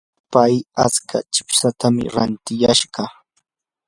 pay atska chipsatam rantiyashqa.